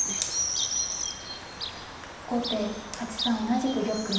後手８三同じく玉。